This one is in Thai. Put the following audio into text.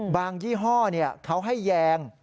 ยี่ห้อเขาให้แยง